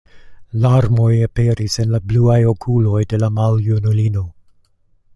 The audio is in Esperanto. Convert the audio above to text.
Larmoj aperis en la bluaj okuloj de la maljunulino.